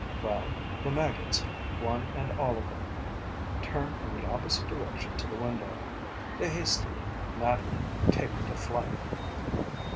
Well, the maggots, one and all of them, turn in the opposite direction to the window; they hastily, madly take to flight.